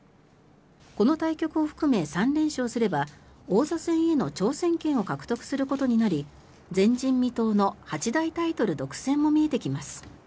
この対局を含め３連勝すれば王座戦への挑戦権を獲得することになり前人未到の八大タイトル独占も見えてきます。